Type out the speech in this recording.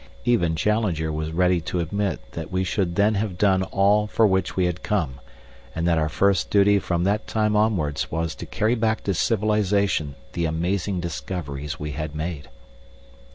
Even Challenger was ready to admit that we should then have done all for which we had come, and that our first duty from that time onwards was to carry back to civilization the amazing discoveries we had made.